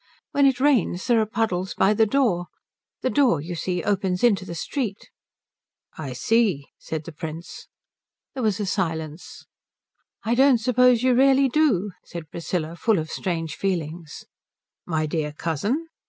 "When it rains there are puddles by the door. The door, you see, opens into the street." "I see," said the Prince. There was a silence. "I don't suppose you really do," said Priscilla, full of strange feelings. "My dear cousin?"